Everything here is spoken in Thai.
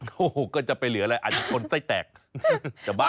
โอ้โหก็จะไปเหลืออะไรอาจจะคนไส้แตกจะบ้า